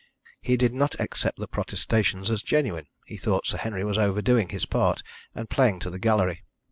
He did not accept the protestations as genuine; he thought Sir Henry was overdoing his part, and playing to the gallery.